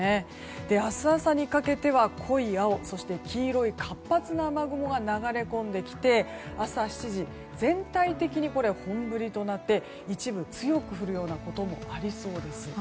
明日朝にかけては濃い青そして黄色い活発な雨雲が流れ込んできて朝７時、全体的に本降りとなって一部強く降るようなこともありそうです。